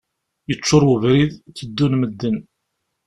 Yeččur webrid, teddun medden.